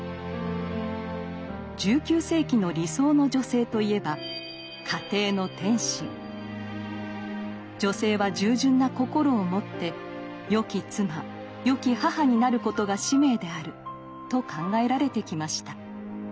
１９世紀の理想の女性といえば女性は従順な心を持ってよき妻よき母になることが使命であると考えられてきました。